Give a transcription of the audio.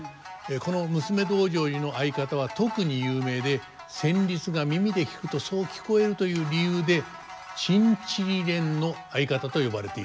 この「娘道成寺」の合方は特に有名で旋律が耳で聴くとそう聞こえるという理由で「チンチリレンの合方」と呼ばれているんです。